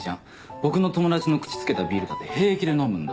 僕の友達の口つけたビールだって平気で飲むんだ。